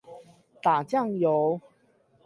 打醬油